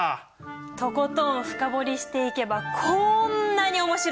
とことん深掘りしていけばこんなに面白い！